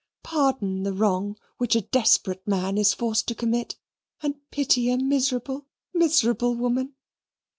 Pardon the wrong which a desperate man is forced to commit, and pity a miserable, miserable woman."